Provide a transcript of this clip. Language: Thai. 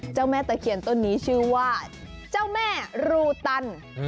แม่ตะเคียนต้นนี้ชื่อว่าเจ้าแม่รูตัน